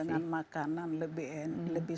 dengan makanan lebih